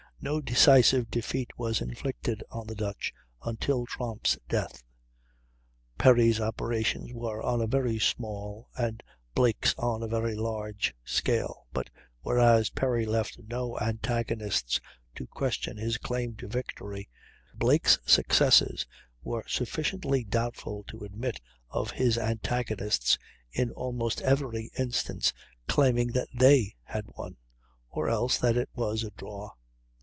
No decisive defeat was inflicted on the Dutch until Tromp's death. Perry's operations were on a very small, and Blake's on a very large, scale; but whereas Perry left no antagonists to question his claim to victory, Blake's successes were sufficiently doubtful to admit of his antagonists in almost every instance claiming that they had won, or else that it was a draw.